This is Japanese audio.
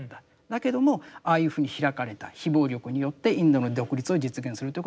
だけどもああいうふうに開かれた非暴力によってインドの独立を実現するということがあった。